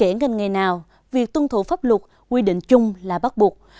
ngân nghề nào việc tuân thủ pháp luật quy định chung là bắt buộc